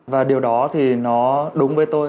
và điều đó thì nó đúng với tôi